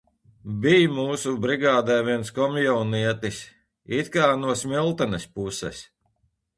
Bij mūsu brigādē viens komjaunietis, it kā no Smiltenes puses.